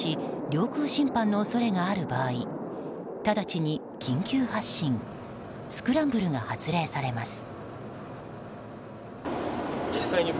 領空侵犯の恐れがある場合直ちに緊急発進・スクランブルが発令されます。